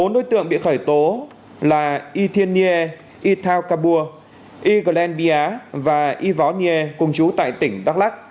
bốn đối tượng bị khởi tố là ythien nghie ythau kabur y glen bia và y võ nghie cùng chú tại tỉnh đắk lắc